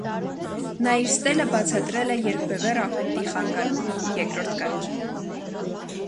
Նա իր ստելը բացատրել է երկբևեռ աֆեկտի խանգարմամբ (երկրորդ կարգի)։